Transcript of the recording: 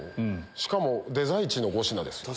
しかもデザ１の５品ですよ。